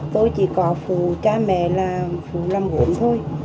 tôi chỉ có phụ cha mẹ làm gốm thôi